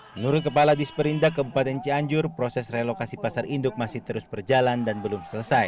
menurut kepala disperindah kabupaten cianjur proses relokasi pasar induk masih terus berjalan dan belum selesai